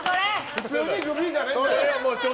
普通に、グビッじゃないんだよ。